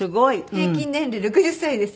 平均年齢６０歳です。